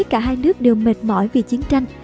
cả hai nước đều mệt mỏi vì chiến tranh